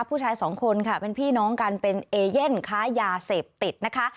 ผู้ชายสองคนค่ะเป็นพี่น้องกันเป็นเอเย่นค้ายาเสพติดนะคะ